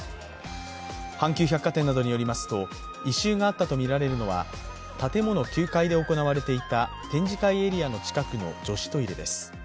阪急百貨店などによりますと、異臭があったとみられるのは建物９階で行われていた展示会エリアの近くの女子トイレです。